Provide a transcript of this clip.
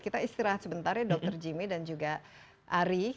kita istirahat sebentar ya dr jimmy dan juga ari